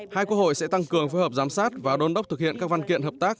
hai quốc hội sẽ tăng cường phối hợp giám sát và đôn đốc thực hiện các văn kiện hợp tác